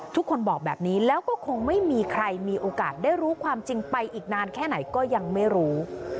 ทุกคนบอกแบบนี้แล้วก็คงไม่มีใครมีโอกาสได้รู้ความจริงไปอีกนานแค่ไหนก็ยังไม่รู้